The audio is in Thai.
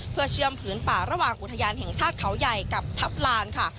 เพื่อเชื่อมผืนป่าระหว่างอุทยานแห่งชาติเขาใหญ่กับทัพลานค่ะ